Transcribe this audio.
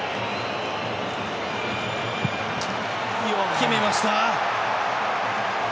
決めました。